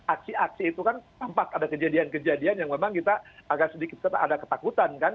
aksi aksi itu kan tampak ada kejadian kejadian yang memang kita agak sedikit ada ketakutan kan